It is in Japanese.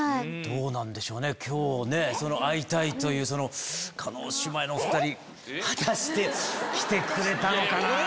どうなんでしょうね今日会いたいという叶姉妹のお２人果たして来てくれたのかなぁ。